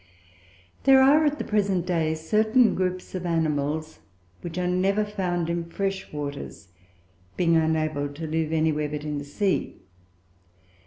There are, at the present day, certain groups of animals which are never found in fresh waters, being unable to live anywhere but in the sea.